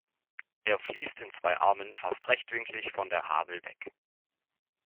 Er fließt in zwei Armen fast rechtwinklig von der Havel weg.